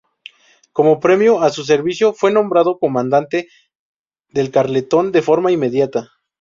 Como premio a su servicio fue nombrado comandante del Carleton de forma inmediata.